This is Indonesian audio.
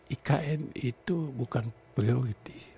ikn itu bukan priority